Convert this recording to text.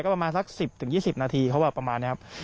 ประมาณสัก๑๐๒๐นาทีเขาแบบประมาณนี้ครับ